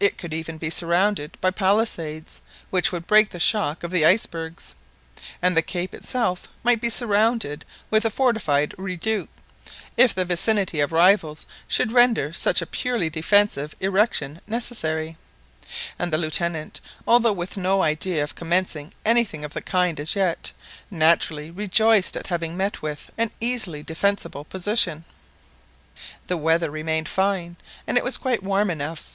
It could even be surrounded by palisades, which would break the shock of the icebergs; and the cape itself might be surrounded with a fortified redoubt, if the vicinity of rivals should render such a purely defensive erection necessary; and the Lieutenant, although with no idea of commencing anything of the kind as yet, naturally rejoiced at having met with an easily defensible position. The weather remained fine, and it was quite warm enough.